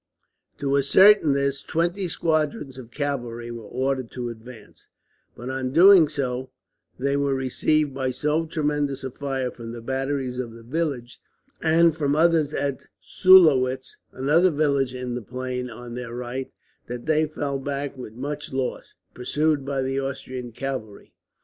To ascertain this, twenty squadrons of cavalry were ordered to advance; but on doing so, they were received by so tremendous a fire from the batteries of the village, and from others at Sulowitz, another village in the plain on their right, that they fell back with much loss, pursued by the Austrian cavalry.